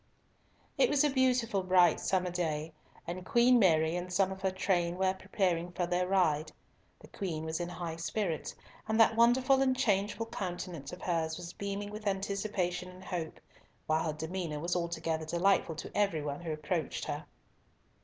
It was a beautiful bright summer day, and Queen Mary and some of her train were preparing for their ride. The Queen was in high spirits, and that wonderful and changeful countenance of hers was beaming with anticipation and hope, while her demeanour was altogether delightful to every one who approached her.